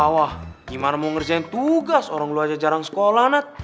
wah gimana mau ngerjain tugas orang luar aja jarang sekolah nat